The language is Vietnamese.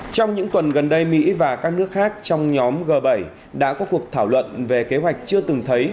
trong những tuần gần đây mỹ và các nước khác trong nhóm g bảy đã có cuộc thảo luận về kế hoạch chưa từng thấy